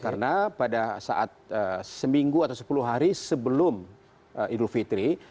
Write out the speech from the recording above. karena pada saat seminggu atau sepuluh hari sebelum idul fitri